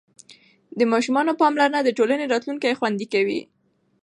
د ماشوم پاملرنه د ټولنې راتلونکی خوندي کوي.